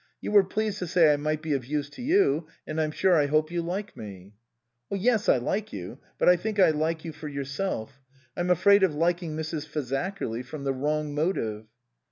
You were pleased to say I might be of use to you, and I'm sure I hope you like me." " Yes, I like you ; but I think I like you for yourself. I'm afraid of liking Mrs. Fazakerly from the wrong motive."